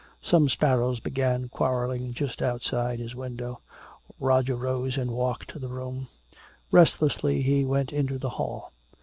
Some sparrows began quarreling just outside his window. Roger rose and walked the room. Restlessly he went into the hall.